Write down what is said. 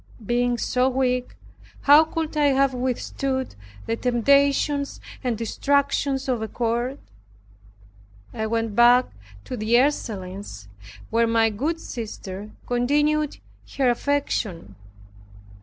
Being so weak, how could I have withstood the temptations and distractions of a court? I went back to the Ursulines where my good sister continued her affection.